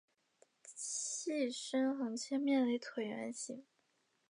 器身横截面为椭圆形。